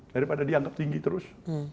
daripada dianggap tinggi terus